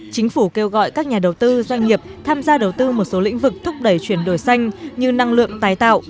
chính phủ kêu gọi các nhà đầu tư doanh nghiệp tham gia đầu tư một số lĩnh vực thúc đẩy chuyển đổi xanh như năng lượng tái tạo